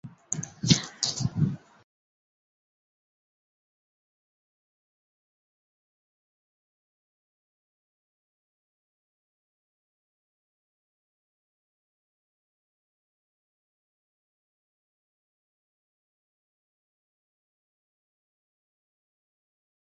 আমার সেখানে নাড়ির টান।